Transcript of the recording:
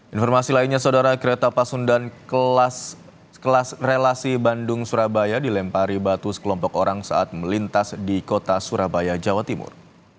informasi lainnya saudara kereta pasundan kelas relasi bandung surabaya dilempari batu sekelompok orang saat melintas di kota surabaya jawa timur